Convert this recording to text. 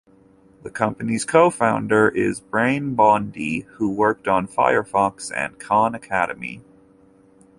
The company's co-founder is Brian Bondy, who worked on Firefox and Khan Academy.